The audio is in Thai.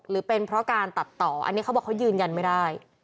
หรือเป็นเพราะการตัดต่ออันนี้เขาบอกเขายืนยันไม่ได้